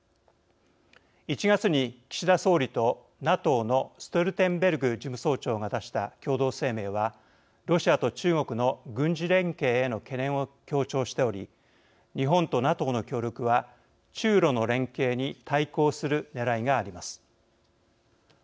１月に岸田総理とＮＡＴＯのストルテンベルグ事務総長が出した共同声明はロシアと中国の軍事連携への懸念を強調しており日本とＮＡＴＯの協力は中ロの連携に対抗するねらいがあります。